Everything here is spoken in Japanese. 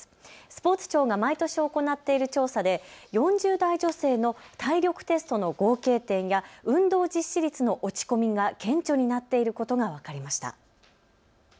スポーツ庁が毎年行っている調査で４０代女性の体力テストの合計点や運動実施率の落ち込みが顕著になっていることが分かりました。